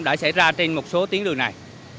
đã xảy ra trên một số tiến lưu này